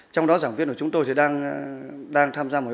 trong đó giảng viên của chúng tôi đang tham gia một khóa